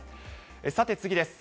さて次です。